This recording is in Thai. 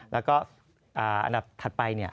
แล้วก็อันดับถัดไป